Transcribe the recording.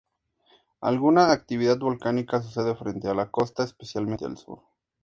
Alguna actividad volcánica sucede frente a la costa, especialmente al sur.